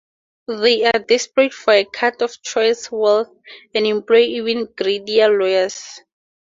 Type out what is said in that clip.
They are desperate for a cut of Troy's wealth and employ even greedier lawyers.